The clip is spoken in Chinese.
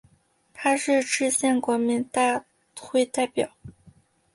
他是制宪国民大会代表。